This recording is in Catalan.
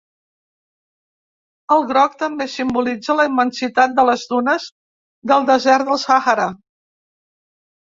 El groc també simbolitza la immensitat de les dunes del desert del Sàhara.